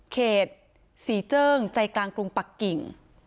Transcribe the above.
เขตศรีเจิ้งใจกลางกรุงปักกิ่ง